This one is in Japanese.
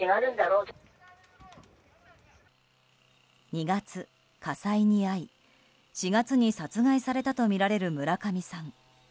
２月、火災に遭い４月に殺害されたとみられる村上さん。